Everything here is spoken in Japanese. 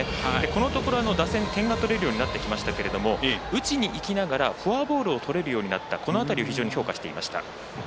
このところ、打線は点が取れるようになってきましたけど打ちにいきながらフォアボールをとれるようになった、この辺りを非常に評価していました。